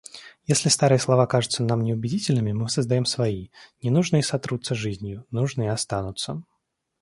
Если старые слова кажутся нам неубедительными, мы создаём свои. Ненужные сотрутся жизнью, нужные останутся.